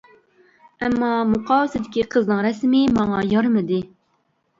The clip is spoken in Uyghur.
ئەمما مۇقاۋىسىدىكى قىزنىڭ رەسىمى ماڭا يارىمىدى.